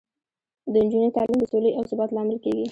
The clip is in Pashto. د نجونو تعلیم د سولې او ثبات لامل کیږي.